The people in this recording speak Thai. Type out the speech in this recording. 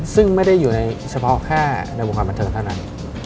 ซึ่งไม่ได้อยู่เฉพาะแค่ในวงความบันเทิดข้างหน้า